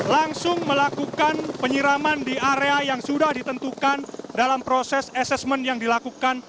langsung melakukan penyiraman di area yang sudah ditentukan dalam proses asesmen yang dilakukan